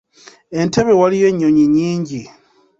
Entebbe waliyo ennyonyi nnyingi.